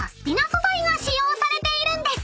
素材が使用されているんです］